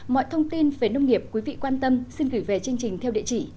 mọi thông tin về nông nghiệp quý vị quan tâm xin gửi về chương trình theo địa chỉ